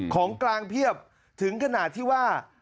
ของกลางเพียบถึงขนาดที่ว่า